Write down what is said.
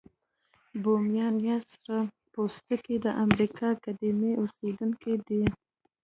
بومیان یا سره پوستکي د امریکا قديمي اوسیدونکي دي.